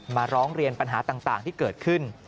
มาร้องเรียนปัญหาต่างที่เกิดขึ้น